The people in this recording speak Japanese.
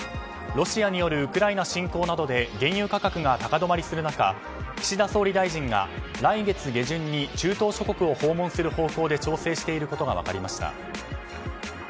ロシアによるウクライナ侵攻などで原油価格が高止まりする中岸田総理が来月下旬に中東諸国を訪問する方向で調整していることが分かりました。